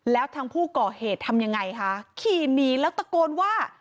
แล้วทางผู้ก่อเหตุทำยังไงคะขี่หนีแล้วตะโกนว่า